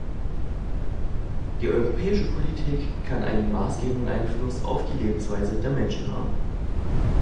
Die europäische Politik kann einen maßgebenden Einfluss auf die Lebensweise der Menschen haben.